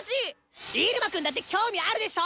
イルマくんだって興味あるでしょ